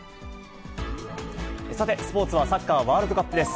さて、スポーツはサッカーワールドカップです。